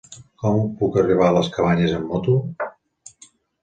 Com puc arribar a les Cabanyes amb moto?